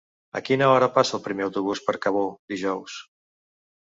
A quina hora passa el primer autobús per Cabó dijous?